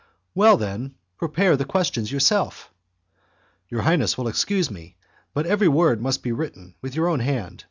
"Well, then, prepare the questions yourself." "Your highness will excuse me, but every word must be written with your own hand.